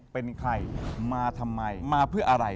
เป็นใครมาทำไมมาเพื่ออะไร